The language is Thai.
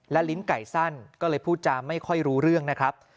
ลิ้นไก่สั้นก็เลยพูดจาไม่ค่อยรู้เรื่องนะครับ